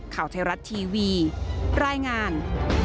ข่าวไทยรัฐทีวีรายงาน